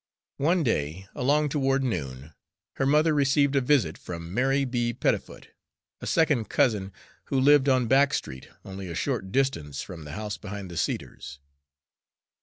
One day, along toward noon, her mother received a visit from Mary B. Pettifoot, a second cousin, who lived on Back Street, only a short distance from the house behind the cedars.